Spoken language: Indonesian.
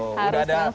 harus senang senang ya